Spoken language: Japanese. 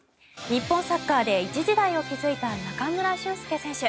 日本サッカーで一時代を築いた中村俊輔選手。